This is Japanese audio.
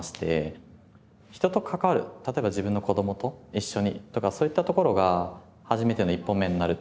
人と関わる例えば自分の子どもと一緒にとかそういったところが初めての１歩目になる。